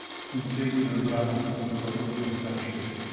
In seguito il brano è stato tradotto in francese.